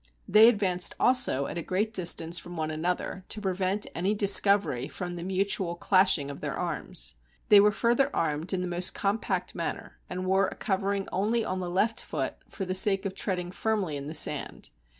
They advanced also at a great distance from one another, to prevent any discovery from the mutual clashing of their arms. They were further armed in the most com pact manner, and wore a covering only on the left foot, for the sake of treading firmly in the sand.